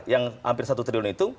yang hampir satu triliun itu